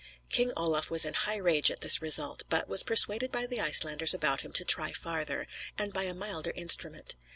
King Olaf was in high rage at this result; but was persuaded by the Icelanders about him to try farther, and by a milder instrument.